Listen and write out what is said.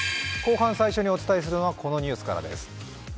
後半最初にお伝えするのはこのニュースからです。